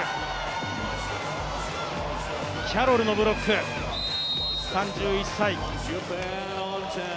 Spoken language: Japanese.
キャロルのブロック、３１歳。